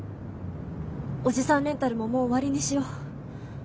おじさんレンタルももう終わりにしよう。